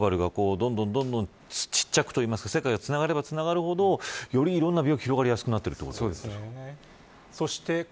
グローバルがどんどんどんどんちっちゃくといいますか世界がつながればつながるほどよりいろんな病気が広がりやすくなっているわけですね。